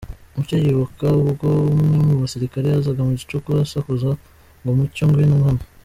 Mucyo yibuka ubwo umwe mu basirikre yazaga mu gicuku asakuza ngo ‘Mucyo, ngwino hano.